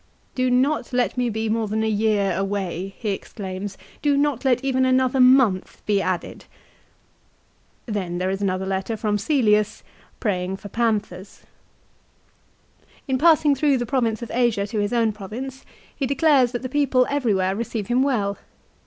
" Do not let me be more than a year away," he exclaims. " Do not let even another month be added." 2 Then there is a letter from Caelius praying for panthers. 3 In passing through the province of Asia to his own province, he declares that the people everywhere receive him well.